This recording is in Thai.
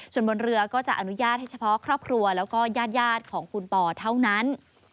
ส่วนบนเรือก็จะอนุญาตให้เฉพาะครอบครัวแล้วก็ญาติของคุณปอเท่านั้น